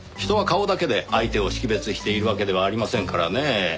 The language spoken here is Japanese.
人は顔だけで相手を識別しているわけではありませんからねぇ。